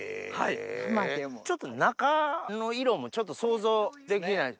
中の色もちょっと想像できない。